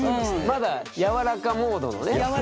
まだ柔らかモードのね。